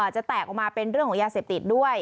จะแตกออกมาเป็นเรื่องของยาเสพติดด้วย